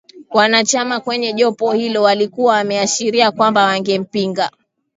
Wanachama kwenye jopo hilo walikuwa wameashiria kwamba wangempinga